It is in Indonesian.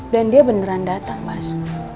dan dia beneran datang mas